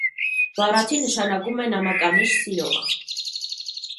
Բառացի նշանակում է նամականիշ սիրող։